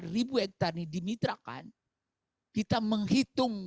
sembilan puluh empat ribu hektare dimitrakan kita menghitung